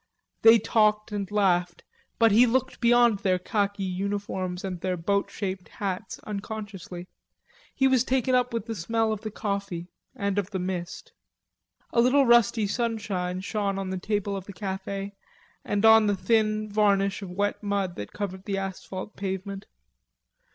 They talked and laughed, but he looked beyond their khaki uniforms and their boat shaped caps unconsciously. He was taken up with the smell of the coffee and of the mist. A little rusty sunshine shone on the table of the cafe and on the thin varnish of wet mud that covered the asphalt pavement.